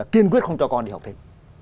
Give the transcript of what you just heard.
kiên quyết không cho con đi học thêm